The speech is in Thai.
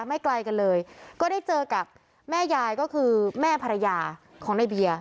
ไม่ไกลกันเลยก็ได้เจอกับแม่ยายก็คือแม่ภรรยาของในเบียร์